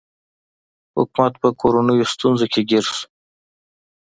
حکومت په کورنیو ستونزو کې ګیر شو.